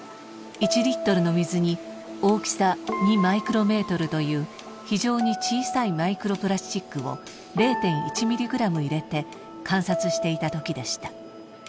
１リットルの水に大きさ２マイクロメートルという非常に小さいマイクロプラスチックを０．１ミリグラム入れて観察していたときでした。